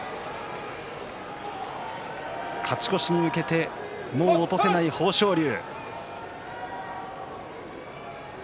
勝ち越しに向けてもう落とせない豊昇龍。